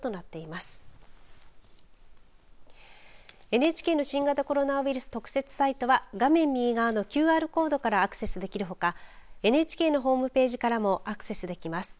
ＮＨＫの新型コロナウイルス特設サイトは画面右側のＱＲコードからアクセスできるほかＮＨＫのホームページからもアクセスできます。